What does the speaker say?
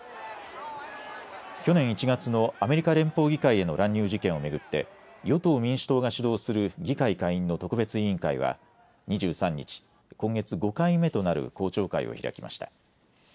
去年１月のアメリカ連邦議会への乱入事件を巡って与党民主党が主導する議会下院の特別委員会は２３日、今月５回目となる公聴会を開きました。